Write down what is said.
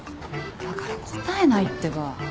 だから答えないってば。